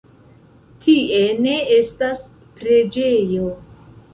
Tie ne estas preĝejo.